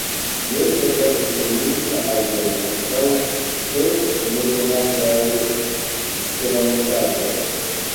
Tiel eblas determini la aĝon ankaŭ de nekonataj ceramikaĵoj.